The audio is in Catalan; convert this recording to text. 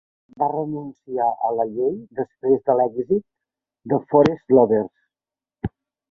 Va renunciar a la llei després de l'èxit de Forest Lovers.